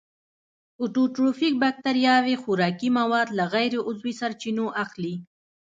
اټوټروفیک باکتریاوې خوراکي مواد له غیر عضوي سرچینو اخلي.